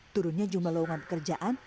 turunnya jumba laungan pekerjaan